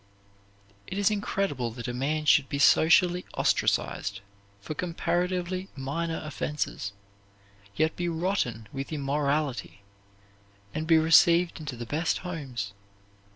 It is incredible that a man should be socially ostracized for comparatively minor offenses, yet be rotten with immorality and be received into the best homes.